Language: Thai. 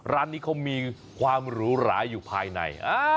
ร้านนี้เขามีความหรูหราอยู่ภายใน